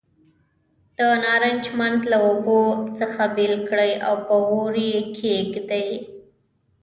د نارنج منځ له اوبو څخه بېل کړئ او په اور یې کېږدئ.